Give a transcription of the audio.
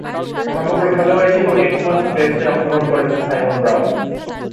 সমগ্র খেলোয়াড়ী জীবনে একটিমাত্র টেস্টে অংশগ্রহণ করেছেন সাইমন ব্রাউন।